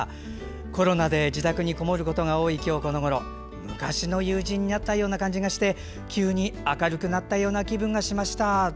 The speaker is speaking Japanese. コロナで自宅に籠もることが多い今日このごろ、昔の友人に会ったような感じがして急に明るくなったような気分がしました。